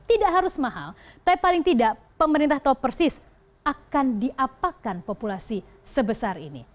tidak harus mahal tapi paling tidak pemerintah tahu persis akan diapakan populasi sebesar ini